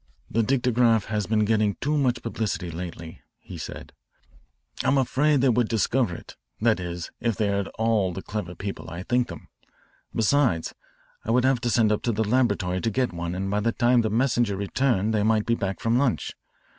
"The dictograph has been getting too much publicity lately," he said. "I'm afraid they would discover it, that is, if they are at all the clever people I think them. Besides, I would have to send up to the laboratory to get one and by the time the messenger returned they might be back from lunch.